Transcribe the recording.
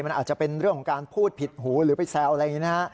มันอาจจะเป็นเรื่องของการพูดผิดหูหรือไปแซวอะไรอย่างนี้นะฮะ